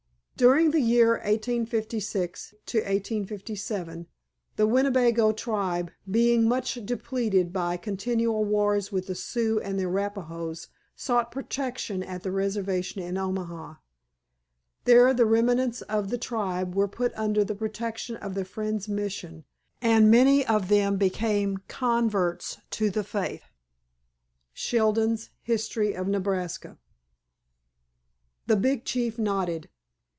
[#] During the year 1856 1857 the Winnebago tribe, being much depleted by continual wars with the Sioux and Arapahoes, sought protection at the Reservation in Omaha. There the remnants of the tribe were put under the protection of the Friends' Mission, and many of them became converts to the faith.—SHELDON'S History of Nebraska. The big chief nodded.